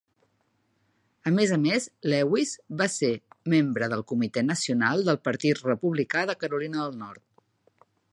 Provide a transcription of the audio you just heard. A més a més, Lewis va ser membre del comitè nacional del Partit Republicà de Carolina del Nord.